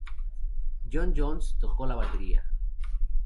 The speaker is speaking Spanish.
John Jones tocó la batería.